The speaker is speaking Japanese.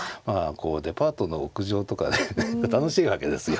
こうデパートの屋上とかで楽しいわけですよ。